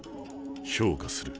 評価する。